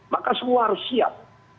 maka semua harus siap